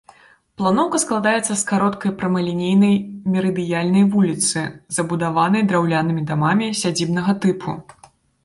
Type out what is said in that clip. Планоўка складаецца з кароткай прамалінейнай мерыдыянальнай вуліцы, забудаванай драўлянымі дамамі сядзібнага тыпу.